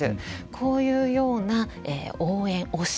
こういうような応援推し